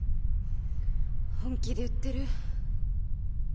本気で言ってる？